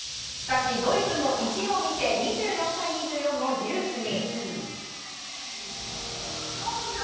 い、ドイツも意地を見せ２４対２４のジュースに。